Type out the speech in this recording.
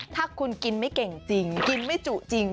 ถ้าคุณกินไม่เก่งจริงกินไม่จุจริง